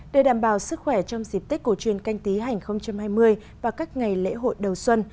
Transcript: để đảm bảo sức khỏe trong dịp tích cổ truyền canh tí hai nghìn hai mươi và các ngày lễ hội đầu xuân